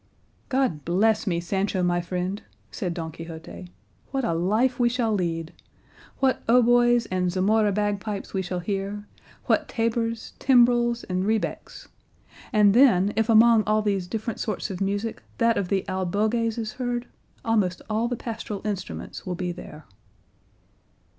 "God bless me, Sancho my friend!" said Don Quixote, "what a life we shall lead! What hautboys and Zamora bagpipes we shall hear, what tabors, timbrels, and rebecks! And then if among all these different sorts of music that of the albogues is heard, almost all the pastoral instruments will be there."